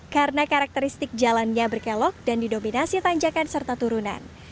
karena karakteristik jalannya berkelok dan didominasi tanjakan serta turunan